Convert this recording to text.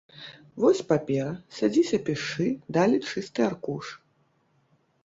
Вось папера, садзіся пішы, далі чысты аркуш.